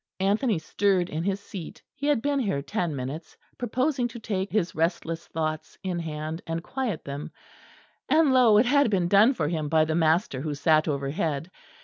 Anthony stirred in his seat; he had been here ten minutes, proposing to take his restless thoughts in hand and quiet them; and, lo! it had been done for him by the master who sat overhead.